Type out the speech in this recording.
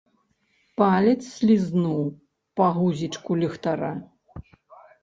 Палец слізнуў па гузічку ліхтара.